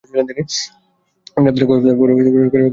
গ্রেফতারের কয়েক সপ্তাহ পরে কারাগারে মৃত্যুবরণ করেন তিনি।